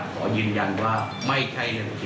ขอยืนยันว่าไม่ใช่เรื่องจริง